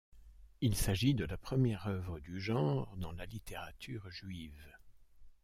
Il s'agit de la première œuvre du genre dans la littérature juive.